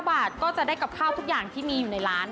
บาทก็จะได้กับข้าวทุกอย่างที่มีอยู่ในร้าน